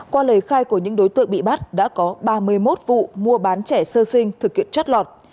qua lời khai của những đối tượng bị bắt đã có ba mươi một vụ mua bán trẻ sơ sinh thực hiện trót lọt